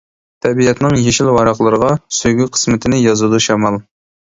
تەبىئەتنىڭ يېشىل ۋاراقلىرىغا، سۆيگۈ قىسمىتىنى يازىدۇ شامال.